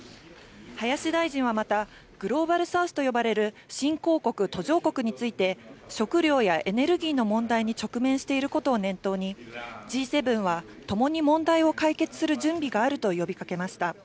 林大臣はまたグローバルサウスと呼ばれる新興国・途上国について、食料やエネルギーの問題に直面していることを念頭にＧ７はともに問題を解決する準備があると呼びかけました。